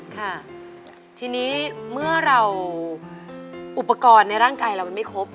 ค่ะทีนี้เมื่อเราอุปกรณ์ในร่างกายเรามันไม่ครบ